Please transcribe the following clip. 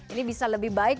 ini bisa lebih baik